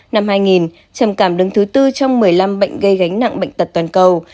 năm hai nghìn trầm cảm đứng thứ tư trong một mươi năm bệnh gây gánh nặng bệnh tật toàn cầu